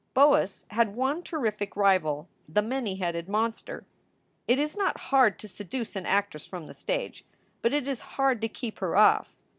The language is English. Boas had one terrific rival, the many headed monster. It is not hard to seduce an actress from the stage, but it is hard to keep her off.